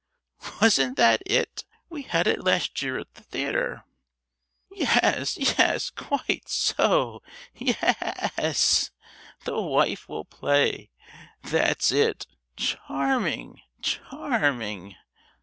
"Wasn't that it? We had it last year at the theatre." "Yes, yes, quite so, ye—yes, 'the wife will play!' That's it: charming, charming.